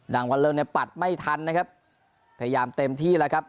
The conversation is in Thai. วันเริงเนี่ยปัดไม่ทันนะครับพยายามเต็มที่แล้วครับ